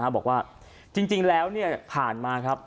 บอกว่าจริงแล้วผ่านมาครับ